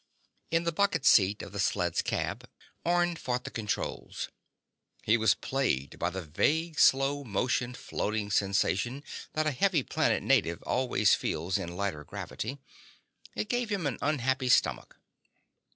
In the bucket seat of the sled's cab, Orne fought the controls. He was plagued by the vague slow motion floating sensation that a heavy planet native always feels in lighter gravity. It gave him an unhappy stomach.